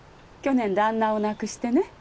去年旦那を亡くしてね。